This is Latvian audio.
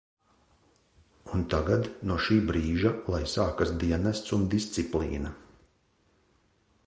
Un tagad no šī brīža, lai sākas dienests un disciplīna.